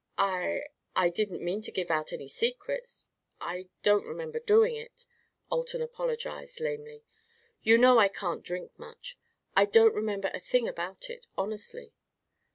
"I I didn't mean to give out any secrets I don't remember doing it," Alton apologized, lamely. "You know I can't drink much. I don't remember a thing about it, honestly."